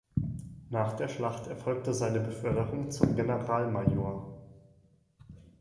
Nach der Schlacht erfolgte seine Beförderung zum Generalmajor.